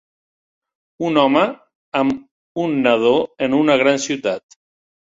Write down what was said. Un home amb un nadó en una gran ciutat.